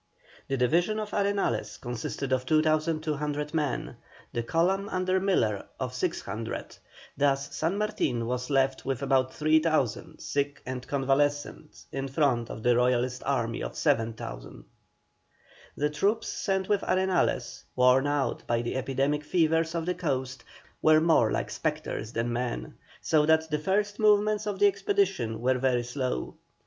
The division of Arenales consisted of 2,200 men, the column under Miller of 600, thus San Martin was left with about 3,000 sick and convalescent in front of the Royalist Army of 7,000. The troops sent with Arenales, worn out by the endemic fevers of the coast, were more like spectres than men, so that the first movements of the expedition were very slow.